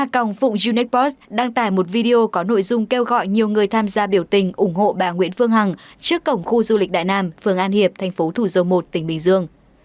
công an tp hcm đang tải một video có nội dung kêu gọi nhiều người tham gia biểu tình ủng hộ bà nguyễn phương hằng trước cổng khu du lịch đại nam phường an hiệp tp thủ dâu một tỉnh bình dương